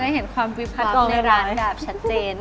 จะได้เห็นความวิบคลับในร้านแบบชัดเจน